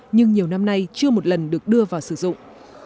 nhưng nhiều năm nay chưa một lần được đưa vào sử dụng